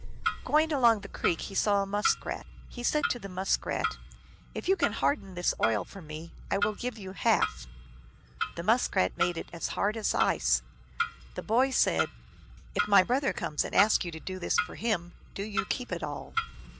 Going along the creek, he saw a Muskrat (Keuchus, Pass.). He said to the Muskrat, "If you can harden this oil for me, I will give you half." The Muskrat made it as hard as ice. The boy said, " If my brother comes and asks you to do this for him, do you keep it all."